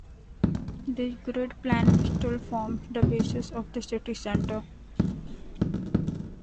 This grid plan still forms the basis of the city center.